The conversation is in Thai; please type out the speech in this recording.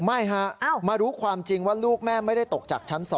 ไม่ฮะมารู้ความจริงว่าลูกแม่ไม่ได้ตกจากชั้น๒